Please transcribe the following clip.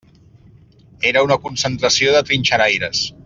Era una concentració de trinxeraires.